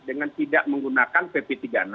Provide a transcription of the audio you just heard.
dengan tidak menggunakan pp tiga puluh enam